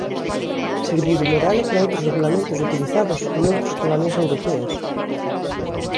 Serviu de modelo para outros regulamentos utilizados noutras colonias europeas.